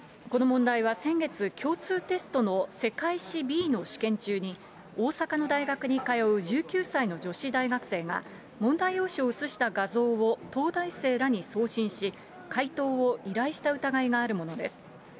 この問題は、先月、共通テストの世界史Ｂの試験中に、大阪の大学に通う１９歳の女子大学生が、問題用紙を写した画像を東大生らに送信し、解答を依頼した疑いがあるものです。